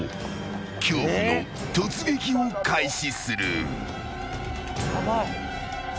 恐怖の突撃を開始する。